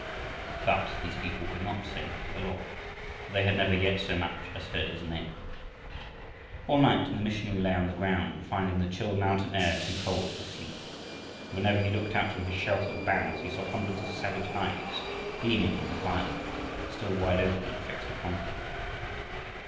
But these poor people could not "sing to the Lord," for they had never yet so much as heard his name. All night the missionary lay on the ground, finding the chill mountain air too cold for sleep, and whenever he looked out from his shelter of boughs he saw hundreds of savage eyes, gleaming in the firelight, still wide open and fixed upon him.